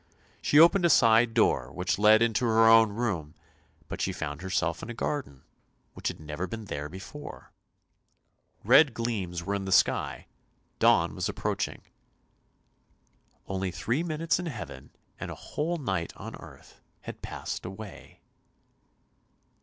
She opened a side door which led into her own room, but she found herself in a garden, which had never been there before. Red gleams were in the sky, dawn was approaching. Only three minutes in Heaven, and a whole night on earth had passed away.